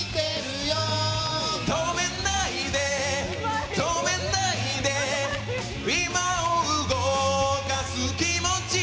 「止めないで止めないで今を動かす気持ち」